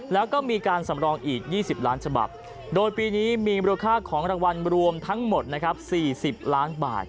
แล้วก็มีการสำรองอีก๒๐ล้านฉบับโดยปีนี้มีมูลค่าของรางวัลรวมทั้งหมดนะครับ๔๐ล้านบาท